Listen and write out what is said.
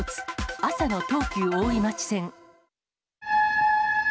朝の東急大井町線。